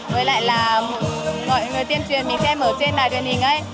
với lại là mọi người tuyên truyền mình xem ở trên đài truyền hình ấy